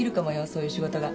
そういう仕事が。